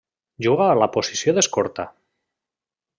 Juga a la posició d'escorta.